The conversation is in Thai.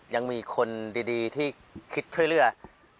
ยังมีคนดีที่คิดช่วยเหลือ